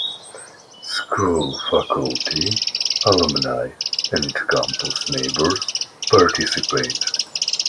School faculty, alumni and campus neighbors participate.